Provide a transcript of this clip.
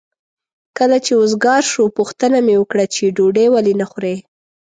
کله چې وزګار شو پوښتنه مې وکړه چې ډوډۍ ولې نه خورې؟